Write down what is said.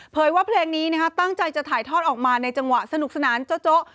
ว่าเพลงนี้ตั้งใจจะถ่ายทอดออกมาในจังหวะสนุกสนานโจ๊ะ